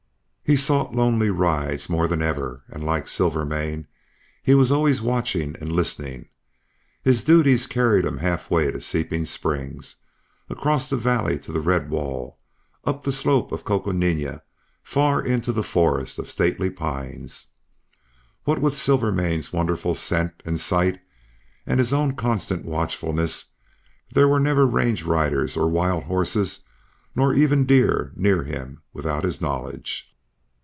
He sought lonely rides more than ever, and, like Silvermane, he was always watching and listening. His duties carried him half way to Seeping Springs, across the valley to the red wall, up the slope of Coconina far into the forest of stately pines. What with Silvermane's wonderful scent and sight, and his own constant watchfulness, there were never range riders or wild horses nor even deer near him without his knowledge.